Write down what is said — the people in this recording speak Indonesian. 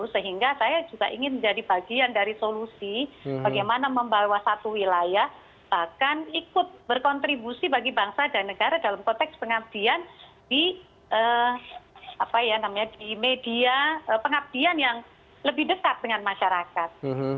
sehingga saya juga ingin menjadi bagian dari solusi bagaimana membawa satu wilayah bahkan ikut berkontribusi bagi bangsa dan negara dalam konteks pengabdian di media pengabdian yang lebih dekat dengan masyarakat